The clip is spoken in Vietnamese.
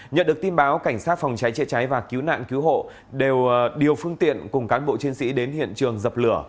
nhận được tin báo cảnh sát phòng cháy chữa cháy và cứu nạn cứu hộ đều điều phương tiện cùng cán bộ chiến sĩ đến hiện trường dập lửa